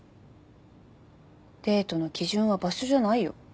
デートの基準は場所じゃないよ。